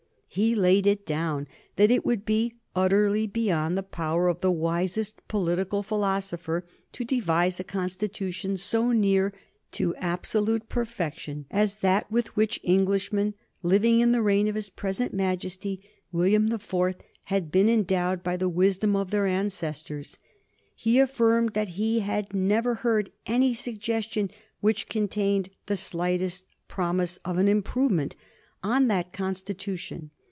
He laid it down that it would be utterly beyond the power of the wisest political philosopher to devise a Constitution so near to absolute perfection as that with which Englishmen living in the reign of his present Majesty, William the Fourth, had been endowed by the wisdom of their ancestors. He affirmed that he had never heard any suggestion which contained the slightest promise of an improvement on that Constitution.